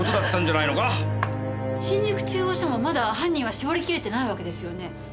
新宿中央署もまだ犯人は絞りきれてないわけですよね？